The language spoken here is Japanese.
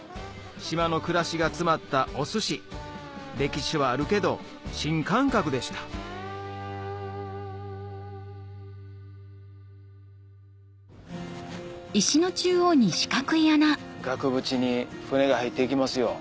島の暮らしが詰まったお寿司歴史はあるけど新感覚でした額縁に船が入っていきますよ。